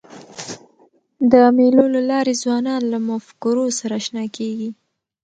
د مېلو له لاري ځوانان له مفکورو سره اشنا کېږي.